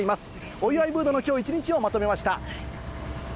お祝いムードのきょう一日をまとめました。